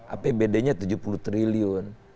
apbd nya tujuh puluh triliun